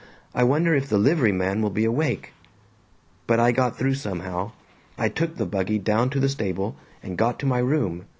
I wonder if the livery man will be awake?' But I got through somehow. I took the buggy down to the stable, and got to my room.